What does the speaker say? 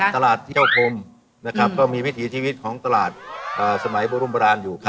ตลาดเจ้าคมนะครับก็มีวิถีทีวิตของตลาดสมัยบรุมบรานอยู่ครับ